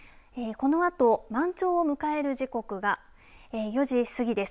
このあと満潮を迎える時刻が４時すぎです。